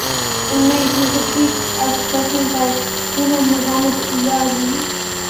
In May, he was replaced as president by Colonel Muhammad Louly.